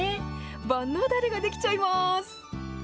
万能だれができちゃいます。